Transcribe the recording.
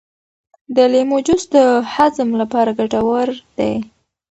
د لیمو جوس د هضم لپاره ګټور دی.